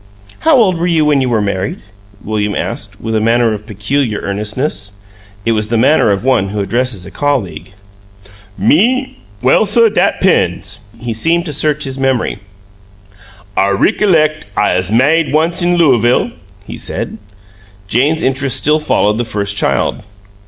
"How old were you when you were married?" William asked, with a manner of peculiar earnestness; it was the manner of one who addresses a colleague. "Me? Well, suh, dat 'pen's." He seemed to search his memory. "I rickalect I 'uz ma'ied once in Looavle," he said. Jane's interest still followed the first child.